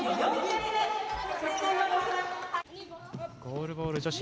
ゴールボール女子